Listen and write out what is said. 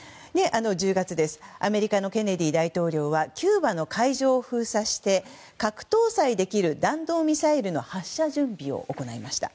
１０月アメリカのケネディ大統領はキューバの海上を封鎖して核搭載できる弾道ミサイルの発射準備を行いました。